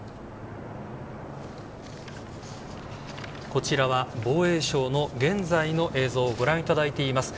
こちらは防衛省の現在の映像をご覧いただいています。